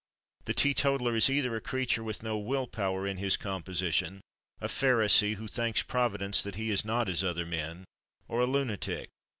The teetotaller is either a creature with no will power in his composition, a Pharisee, who thanks Providence that he is not as other men, or a lunatic.